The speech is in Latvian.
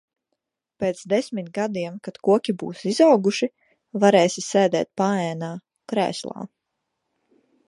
Pēc desmit gadiem kad koki būs izauguši, varēsi sēdēt paēnā, krēslā.